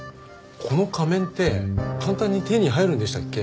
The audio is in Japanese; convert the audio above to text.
この仮面って簡単に手に入るんでしたっけ？